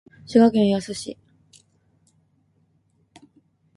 滋賀県野洲市